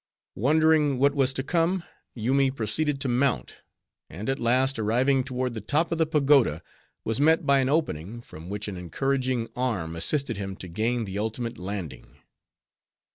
Wondering what was to come, Yoomy proceeded to mount; and at last arriving toward the top of the pagoda, was met by an opening, from which an encouraging arm assisted him to gain the ultimate landing.